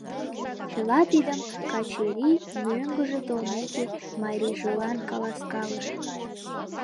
Чыла тидым Качырий, мӧҥгыжӧ толмеке, марийжылан каласкалыш.